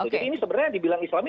jadi ini sebenarnya dibilang islami